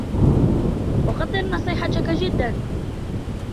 أقدّر نصيحتك جداً.